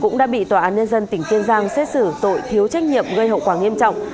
cũng đã bị tòa án nhân dân tỉnh kiên giang xét xử tội thiếu trách nhiệm gây hậu quả nghiêm trọng